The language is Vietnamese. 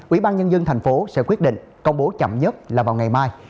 ủy ban nhân dân tp hcm sẽ quyết định công bố chậm nhất là vào ngày mai